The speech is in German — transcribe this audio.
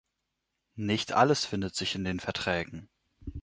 Nicht alles findet sich in den Verträgen.